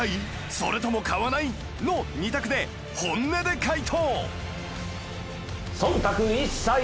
それとも「買わない」の２択で本音で回答！